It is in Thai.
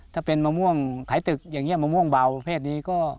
ถ้าเป็นมะม่วงไข่ตึกมะม่วงเบาเพศนี้